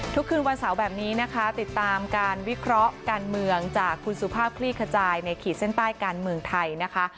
คืนวันเสาร์แบบนี้นะคะติดตามการวิเคราะห์การเมืองจากคุณสุภาพคลี่ขจายในขีดเส้นใต้การเมืองไทยนะคะ